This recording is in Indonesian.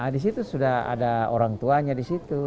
disitu sudah ada orang tuanya disitu